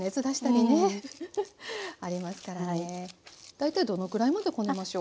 大体どのくらいまでこねましょう？